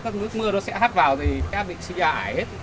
các nước mưa nó sẽ hắt vào thì sẽ bị sinh ra ải hết